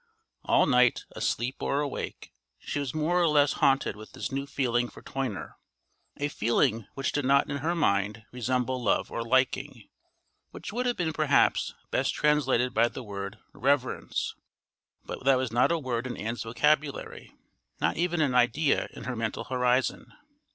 All night, asleep or awake, she was more or less haunted with this new feeling for Toyner a feeling which did not in her mind resemble love or liking, which would have been perhaps best translated by the word "reverence," but that was not a word in Ann's vocabulary, not even an idea in her mental horizon.